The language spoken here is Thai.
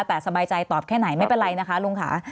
แต่สบายใจตอบแค่ไหนไม่เป็นไรนะคะลุงค่ะ